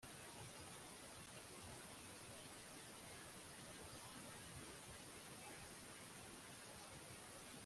yatuvukiye twahawe umuhungu, ubutegetsi bumuri mu bitugu ahawe izina umujyanama